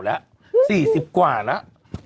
และ๔๐กว่าและ